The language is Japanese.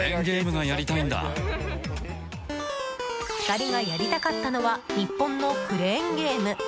２人がやりたかったのは日本のクレーンゲーム。